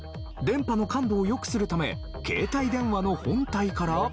電波の感度を良くするため携帯電話の本体から。